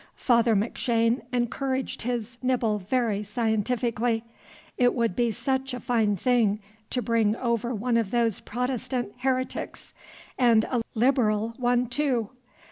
Father McShane encouraged his nibble very scientifically. It would be such a fine thing to bring over one of those Protestant heretics, and a "liberal" one too!